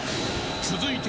［続いて］